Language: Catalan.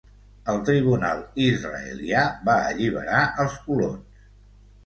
El tribunal israelià va alliberar els colons.